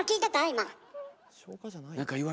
今。